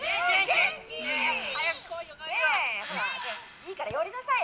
「いいから寄りなさいよ。